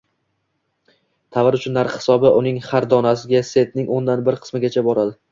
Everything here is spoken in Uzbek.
tovar uchun narx hisobi uning har donasiga sentning o‘ndan bir qismigacha boradi.